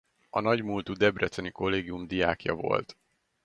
A nagy múltú debreceni kollégium diákja volt.